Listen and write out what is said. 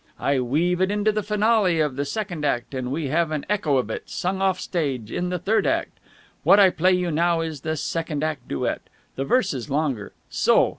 I weave it into the finale of the second act, and we have an echo of it, sung off stage, in the third act. What I play you now is the second act duet. The verse is longer. So!